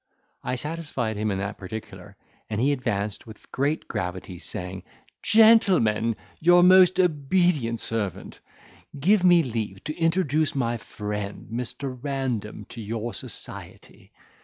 I satisfied him in that particular, and he advanced with great gravity, saying, "Gentlemen, your most obedient servant:—give me leave to introduce my friend Mr. Random to your society."